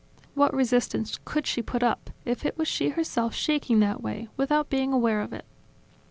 "What resistance could she put up, if it was she herself shaking that way, without being aware of it?"